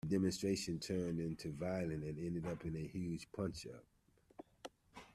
The demonstration turned violent, and ended in a huge punch-up